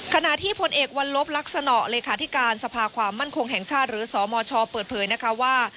ขณะที่ผลเอกวัลลบลักษณะเลขาธิการสภาความมั่นคงแห่งชาติหรือสมชเปิดเผยนะคะว่า